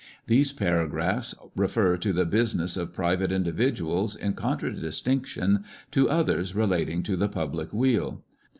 These paragraphs refer to the business of private individuals in contradis tinction to others relating to the public weal.